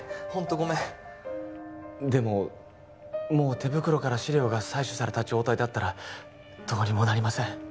ごめんでももう手袋から試料が採取された状態だったらどうにもなりません